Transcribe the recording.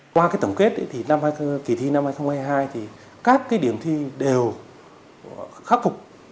qua tổng kết thì kỳ thi năm hai nghìn hai mươi hai thì các cái điểm thi đều khắc phục